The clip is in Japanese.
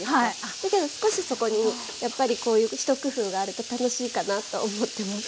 だけど少しそこにやっぱりこういう一工夫があると楽しいかなと思ってます。